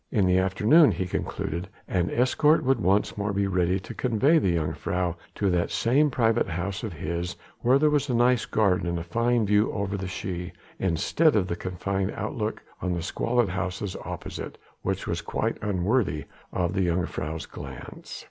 In the afternoon, he concluded, an escort would once more be ready to convey the jongejuffrouw to that same private house of his, where there was a nice garden and a fine view over the Schie instead of the confined outlook on squalid houses opposite, which was quite unworthy of the jongejuffrouw's glance.